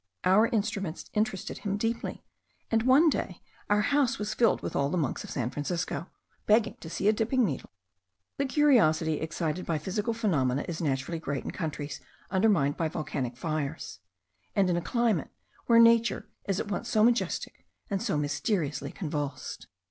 Our instruments interested him deeply, and one day our house was filled with all the monks of San Francisco, begging to see a dipping needle. The curiosity excited by physical phenomena is naturally great in countries undermined by volcanic fires, and in a climate where nature is at once so majestic and so mysteriously convulsed.